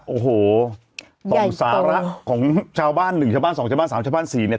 โอ้โหตรงสาระของชาวบ้าน๑ชาวบ้าน๒ชาวบ้าน๓ชาวบ้าน๔